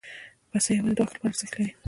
پسه یوازې د غوښې لپاره ارزښت لري.